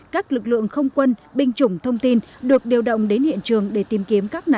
các lực lượng không quân binh chủng thông tin được điều động đến hiện trường để tìm kiếm các nạn nhân